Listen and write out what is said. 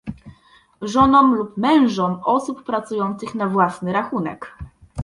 żonom lub mężom osób pracujących na własny rachunek